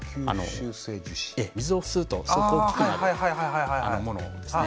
水を吸うとすごく大きくなるものですね。